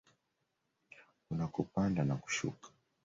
Kuna kupanda na kushuka.